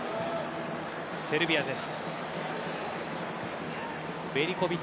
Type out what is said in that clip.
セルビアです。